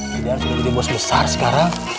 jadi harus jadi bos besar sekarang